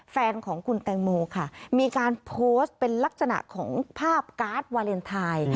แฟนของคุณแตงโมค่ะมีการโพสต์เป็นลักษณะของภาพการ์ดวาเลนไทย